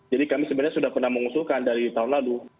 jadi kami sebenarnya sudah pernah mengusulkan dari tahun lalu